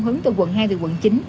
hướng từ quận hai từ quận chín